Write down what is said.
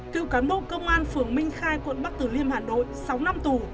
cựu cán bộ công an phường minh khai quận bắc tử liêm hà nội sáu năm tù